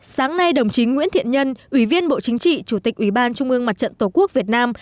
sáng nay đồng chí nguyễn thiện nhân ủy viên bộ chính trị chủ tịch ủy ban trung ương mặt trận tổ quốc việt nam